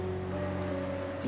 dulu darman backup bubun